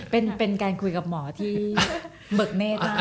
เป็นการคุยกับหมอที่เบิกเนธ